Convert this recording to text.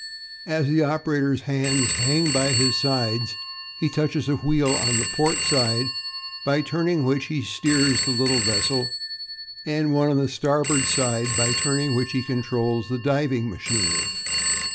"As the operator's hands hang by his sides, he touches a wheel on the port side, by turning which he steers the little vessel, and one on the starboard side, by turning which he controls the diving machinery.